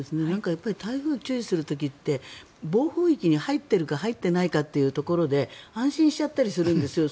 やっぱり台風に注意する時って暴風域に入っているか入っていないかというところで安心しちゃったりするんですよ。